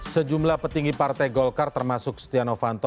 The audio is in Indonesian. sejumlah petinggi partai golkar termasuk stiano vanto